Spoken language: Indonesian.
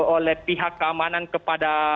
oleh pihak keamanan kepada